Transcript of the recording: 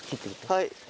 はい。